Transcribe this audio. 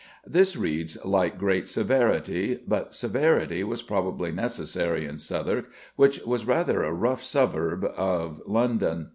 This reads like great severity, but severity was probably necessary in Southwark, which was rather a rough suburb of London.